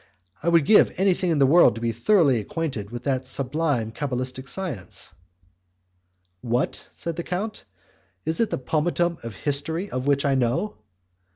I would give anything in the world to be thoroughly acquainted with that sublime cabalistic science." "What!" said the count, "is it the pomatum the history of which I know?"